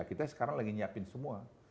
kita sekarang lagi nyiapin semua